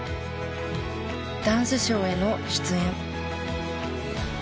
ダンスショーへの出演。